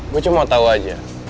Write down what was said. gue cuma mau tahu aja